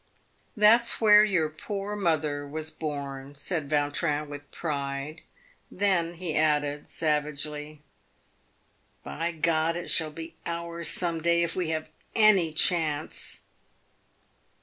" That's where your poor mother was born," said Vautrin, with pride. Then, he added, savagely, " By G — d, it shall be ours some day, if we have any chance."